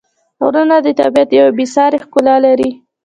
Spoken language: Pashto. غرونه د طبیعت یوه بېساري ښکلا لري.